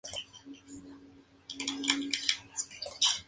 Compuesta por Paul Weller.